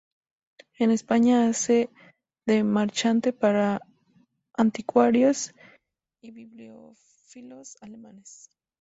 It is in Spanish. En España hace de marchante para anticuarios y bibliófilos alemanes.